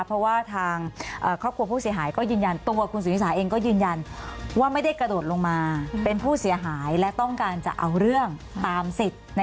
เพราะว่าทางครอบครัวผู้เสียหายก็ยืนยัน